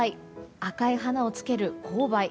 赤い花をつける紅梅。